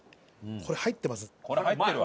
これ入ってるわ。